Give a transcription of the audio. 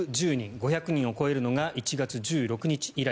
５００人を超えるのが１月１６日以来。